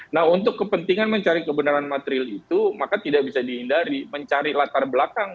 nah untuk kepentingan mencari kebenaran material itu maka tidak bisa dihindari mencari latar belakang